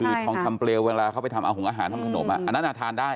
คือท้องทำเปรียวเวลาเข้าไปทำอาหุงอาหารทำขนมอ่ะอันนั้นอ่ะทานได้